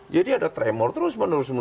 jadi ada tremor terus menerus